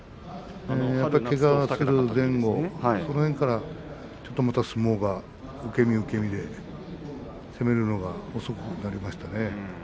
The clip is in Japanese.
春前後、その辺りからまた相撲が受け身受け身で攻めるのが遅くなりましたね。